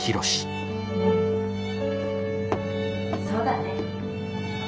「そうだね」。